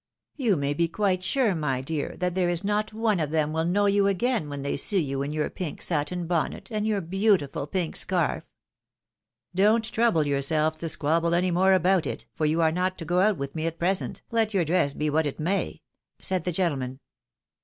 You may be quite sure, my dear, that there is not one of them will know you again when they see you in your pink satin bonnet, and your beautiful pink scarf." " Don't trouble yourselves to squabble any more about it, for you are not to go out with me at present, let your dress be what it may," said the gentleman.